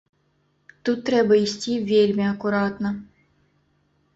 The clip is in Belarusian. Тут трэба ісці вельмі акуратна.